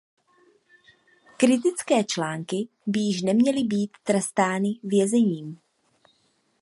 Kritické články by již neměly být trestány vězením.